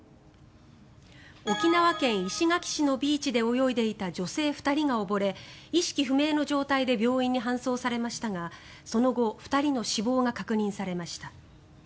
沖縄県石垣市のビーチで泳いでいた女性２人が溺れ意識不明の状態で病院に搬送されましたがその後、２人の死亡が確認されました。